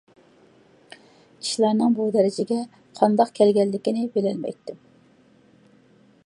ئىشلارنىڭ بۇ دەرىجىگە قانداق كەلگەنلىكىنىمۇ بىلمەيتتىم.